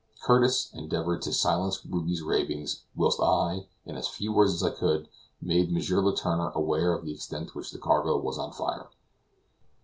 Curtis endeavored to silence Ruby's ravings, whilst I, in as few words as I could, made M. Letourneur aware of the extent to which the cargo was on fire.